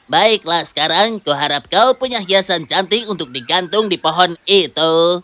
baiklah sekarang kuharap kau punya hiasan cantik untuk digantung di pohon itu